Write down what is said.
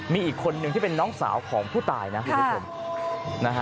มีอีกคนนึงที่เป็นน้องสาวของผู้ตายนะคุณผู้ชมนะฮะ